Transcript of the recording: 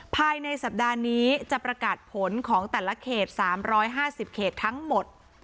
ภายในสัปดาห์นี้จะประกาศผลของแต่ละเขต๓๕๐เขตทั้งหมด